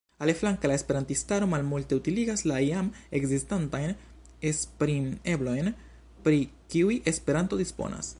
Aliflanke la esperantistaro malmulte utiligas la jam ekzistantajn esprim-eblojn, pri kiuj Esperanto disponas.